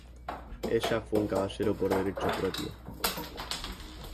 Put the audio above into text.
Ella fue un caballero por derecho propio.